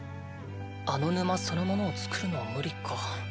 あの沼そのものを作るのは無理か。